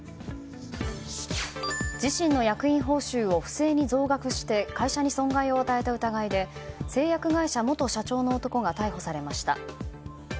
自身の役員報酬を不正に増額して会社に損害を与えた疑いで製薬会社の元社長の男が逮捕されました。